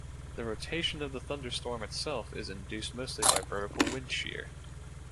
The rotation of the thunderstorm itself is induced mostly by vertical wind shear.